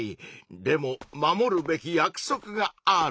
でも守るべき約束がある。